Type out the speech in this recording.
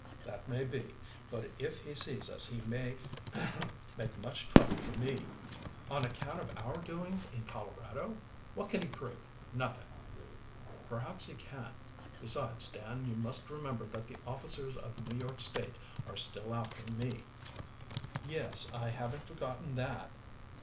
"That may be, but if he sees us he may ahem make much trouble for me." "On account of our doings in Colorado? What can he prove? Nothing." "Perhaps he can. Besides, Dan, you must remember that the officers of New York State are still after me." "Yes, I haven't forgotten that."